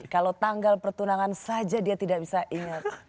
kalau tanggal pertunangan saja dia tidak bisa ingat